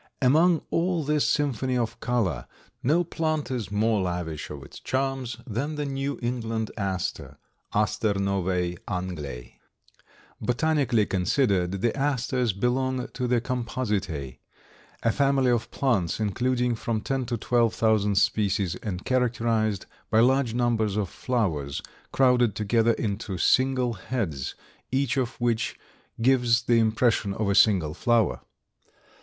Among all this symphony of color, no plant is more lavish of its charms than the New England Aster (Aster Novae Anglae). Botanically considered, the Asters belong to the Compositae, a family of plants including from ten to twelve thousand species and characterized by large numbers of flowers, crowded together into single heads, each of which gives the impression of a single flower.